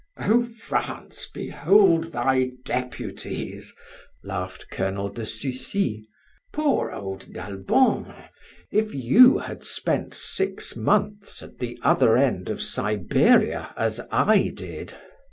"Oh, France, behold thy Deputies!" laughed Colonel de Sucy. "Poor old d'Albon; if you had spent six months at the other end of Siberia as I did..."